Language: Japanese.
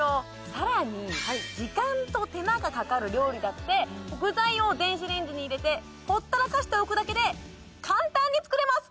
さらに時間と手間がかかる料理だって具材を電子レンジに入れてほったらかしておくだけで簡単に作れます